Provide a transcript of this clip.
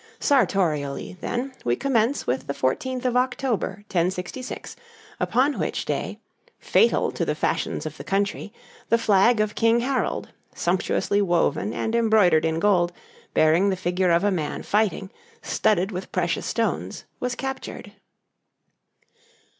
Sartorially, then, we commence with the 14th of October, 1066, upon which day, fatal to the fashions of the country, the flag of King Harold, sumptuously woven and embroidered in gold, bearing the figure of a man fighting, studded with precious stones, was captured.